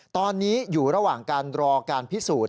ตอนนี้อยู่ระหว่างการรอการพิสูจน์